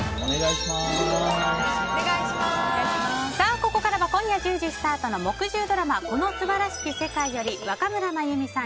ここからは今夜１０時スタートの木１０ドラマ「この素晴らしき世界」より若村麻由美さん